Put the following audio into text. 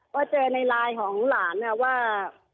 ว่าเจอในไลน์ของลูกหลานเนี่ยว่า